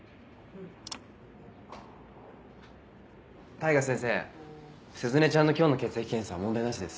大賀先生鈴音ちゃんの今日の血液検査は問題なしです。